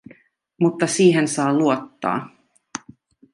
Mutta siihen saa luottaa.